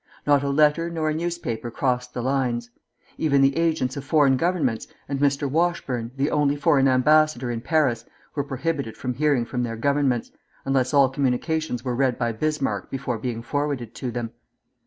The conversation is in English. Not a letter nor a newspaper crossed the lines. Even the agents of Foreign Governments, and Mr. Washburne, the only foreign ambassador in Paris, were prohibited from hearing from their Governments, unless all communications were read by Bismarck before being forwarded to them.